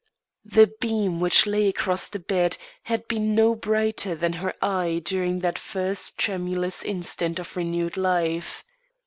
The beam which lay across the bed had been no brighter than her eye during that first tremulous instant of renewed life.